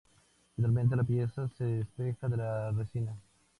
Finalmente la pieza se despega de la resina.